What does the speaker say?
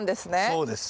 そうです。